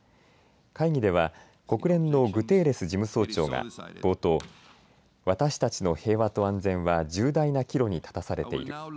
会議では国連のグテーレス事務総長が冒頭、私たちの平和と安全は重大な岐路に立たされている。